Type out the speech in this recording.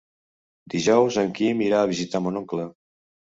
Dijous en Quim irà a visitar mon oncle.